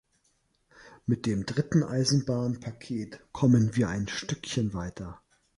Mit dem dritten Eisenbahnpaket kommen wir ein Stückchen weiter.